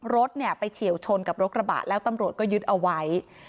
รถเนี่ยไปเฉียวชนกับรถกระบะแล้วตำรวจก็ยึดเอาไว้